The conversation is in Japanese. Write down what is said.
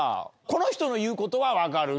この人の言うことは分かる